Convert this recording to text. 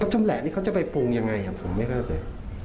ก็ช่วงแหละนี้เขาจะไปปรุงอย่างไรครับผมไม่เข้าใส่